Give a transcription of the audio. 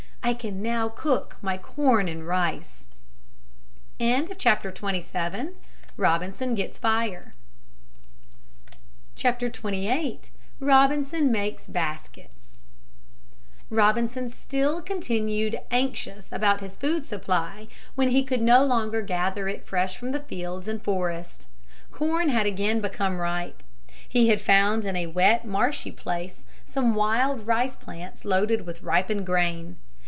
I can now cook my corn and rice." XXVIII ROBINSON MAKES BASKETS Robinson still continued anxious about his food supply when he could no longer gather it fresh from the fields and forest. Corn had again become ripe. He had found in a wet, marshy place some wild rice plants loaded with ripened grain.